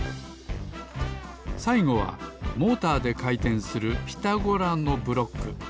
さいごはモーターでかいてんするピタゴラのブロック。